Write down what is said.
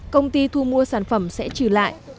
công ty thu mua sản phẩm sẽ trừ lại